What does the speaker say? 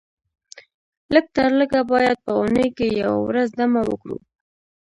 لږ تر لږه باید په اونۍ کې یوه ورځ دمه وکړو